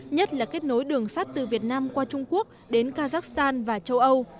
nhất là kết nối đường sắt từ việt nam qua trung quốc đến kazakhstan và châu âu